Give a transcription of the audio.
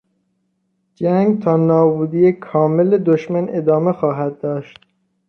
جنگ تا نابودی کامل دشمن ادامه خواهد داشت.